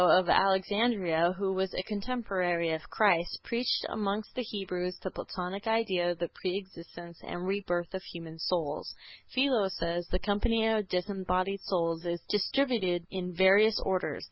Philo of Alexandria, who was a contemporary of Christ, preached amongst the Hebrews the Platonic idea of the pre existence and rebirth of human souls. Philo says: "The company of disembodied souls is distributed in various orders.